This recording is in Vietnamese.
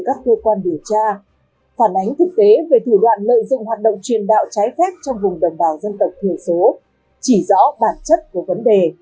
các cơ quan điều tra phản ánh thực tế về thủ đoạn lợi dụng hoạt động truyền đạo trái phép trong vùng đồng bào dân tộc thiểu số chỉ rõ bản chất của vấn đề